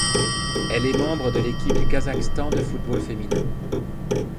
Elle est membre de l'équipe du Kazakhstan de football féminin.